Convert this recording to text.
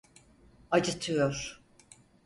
Acıtıyor!